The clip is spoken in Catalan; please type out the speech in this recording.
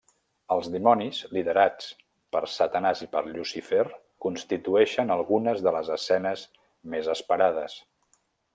Els dimonis, liderats per Satanàs i per Llucifer, constitueixen algunes de les escenes més esperades.